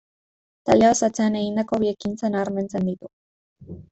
Taldea osatzean egindako bi ekintza nabarmentzen ditu.